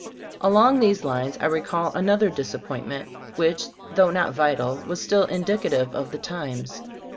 Along these lines I recall another disappointment, which, though not vi tal, was still indicative of the times.